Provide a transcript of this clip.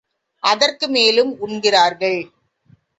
அதற்கும் மேலும் உண்கிறார்கள்.